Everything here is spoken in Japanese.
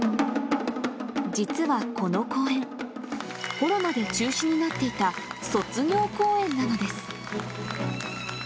実はこの公演、コロナで中止になっていた卒業公演なのです。